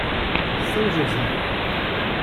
São José